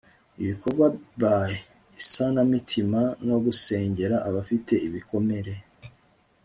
ibikorwa by isanamitima no gusengera abafite ibikomere